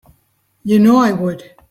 You know I would.